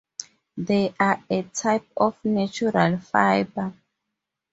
They are a type of natural fiber.